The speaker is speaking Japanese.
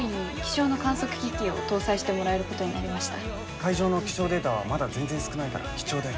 海上の気象データはまだ全然少ないから貴重だよ。